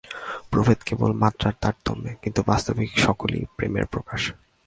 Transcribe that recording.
প্রভেদ কেবল মাত্রার তারতম্যে, কিন্তু বাস্তবিক সকলই প্রেমের প্রকাশ।